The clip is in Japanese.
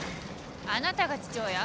あなたが父親？